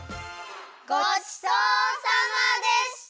ごちそうさまでした！